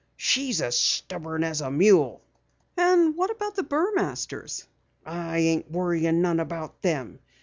She's as stubborn as a mule." "And what of the Burmasters?" "I ain't worryin' none about them.